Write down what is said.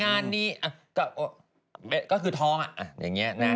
เอาปรากฎเลย